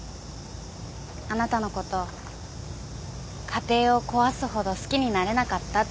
あなたのこと家庭を壊すほど好きになれなかったっていうか。